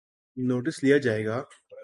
Notice لیا جائے گا۔